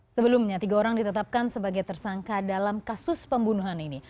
sebelumnya tiga orang ditetapkan sebagai tersangka dalam kasus pembunuhan ini